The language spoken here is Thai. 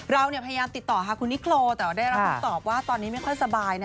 เราเนี่ยพยายามติดต่อคุณนิโกลแต่ได้รับความตอบว่าตอนนี้ไม่ค่อยสบายนะฮะ